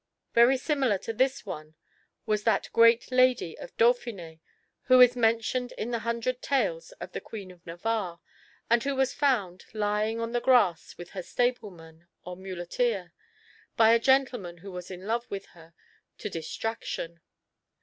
Very similar to this one was that great lady of Dauphiné who is mentioned in the Hundred Tales of the Queen of Navarre, and who was found, lying on the grass with her stableman or muleteer, by a gentleman who was in love with her to distraction.